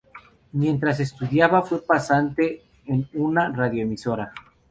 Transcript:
Mientras estudiaba, fue pasante en una Radioemisora.